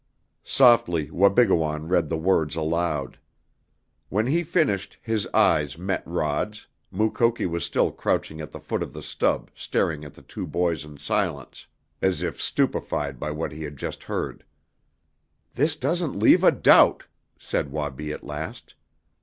Softly Wabigoon read the words aloud. When he finished his eyes met Rod's, Mukoki was still crouching at the foot of the stub, staring at the two boys in silence, as if stupefied by what he had just heard. "This doesn't leave a doubt," said Wabi at last.